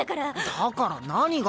だから何が？